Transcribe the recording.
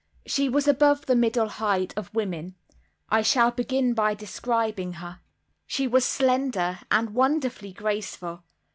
She was above the middle height of women. I shall begin by describing her. She was slender, and wonderfully graceful.